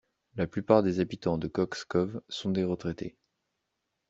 La plupart des habitants de Cox's Cove sont des retraités.